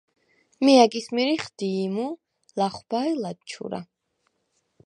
მი ა̈გის მირიხ: დი̄ჲმუ, ლახვბა ი ლადჩურა.